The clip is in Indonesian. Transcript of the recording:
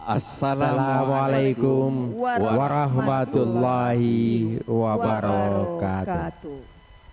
assalamu'alaikum warahmatullahi wabarakatuh